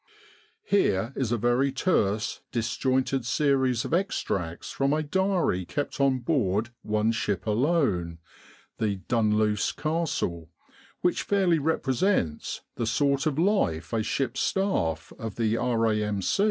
Here is a very terse, disjointed series of extracts from a diary kept on board one ship alone, the Dunluce Castle, which fairly represents the sort of life a ship's staff of the R.A.M.